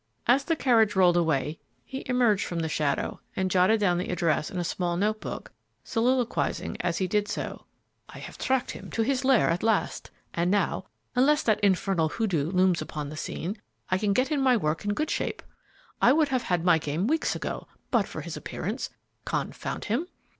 As the carriage rolled away, he emerged from the shadow and jotted down the address in a small note book, soliloquizing as he did so, "I have tracked him to his lair at last, and now, unless that infernal hoodoo looms upon the scene, I can get in my work in good shape. I would have had my game weeks ago, but for his appearance, confound him!"